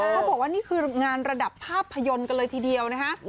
เขาบอกว่านี่คืองานระดับภาพยนตร์กันเลยทีเดียวนะคะ